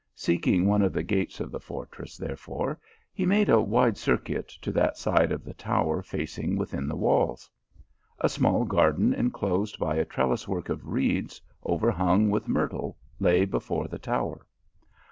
Seeking one of the gates of the fortress, therefore, he made a wide circuit to that side of the tower facing within the walls. A small garden en closed by a trellis work of reeds overhung with myrtle lay before the tower.